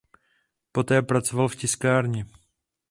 Poté pracoval v tiskárně.